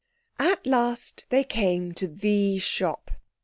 At last they came to the shop.